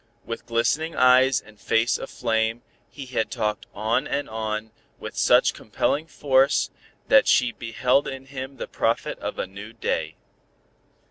With glistening eyes and face aflame he had talked on and on with such compelling force that she beheld in him the prophet of a new day.